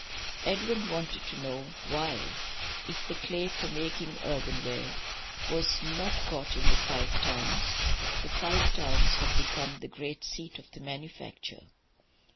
Edwin wanted to know why, if the clay for making earthenware was not got in the Five Towns, the Five Towns had become the great seat of the manufacture.